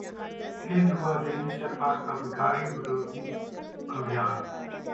तेज हुआ दिल्ली सरकार का भिखारी विरोधी अभियान